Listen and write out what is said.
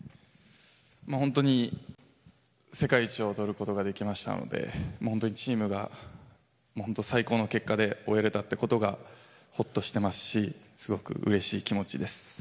本当に世界一をとることができましたのでチームが最高の結果で終えられたということがほっとしていますしすごくうれしい気持ちです。